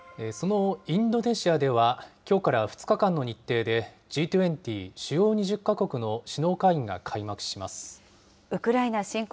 そのインドネシアでは、きょうから２日間の日程で、Ｇ２０・主要２０か国の首脳会議が開幕します。